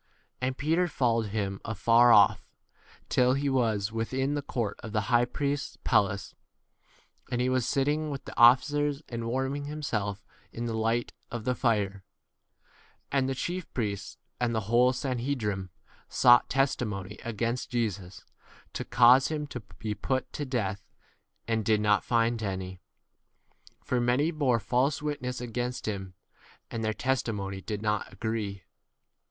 54 And Peter followed him afar off, till [he was] within the court of the high priest's palace; and he was sitting with the officers and warming himself in the light [of 55 the fire]. And the chief priests and the whole sanhedrim sought testimony against Jesus to cause him to be put to death, and did 58 not find [any]. For many bore false witness against him, and y Or ' kissed him caressingly. MARK XIV, XY. their testimony did not agree.